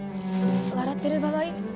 笑ってる場合？